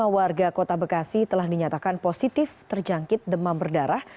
lima warga kota bekasi telah dinyatakan positif terjangkit demam berdarah